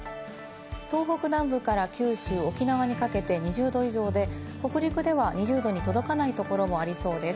東北南部から九州、沖縄にかけて２０℃以上で、北陸では２０℃に届かないところもありそうです。